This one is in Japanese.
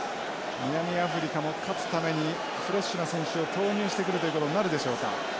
南アフリカも勝つためにフレッシュな選手を投入してくるということになるでしょうか。